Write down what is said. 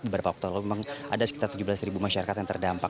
beberapa waktu lalu memang ada sekitar tujuh belas masyarakat yang terdampak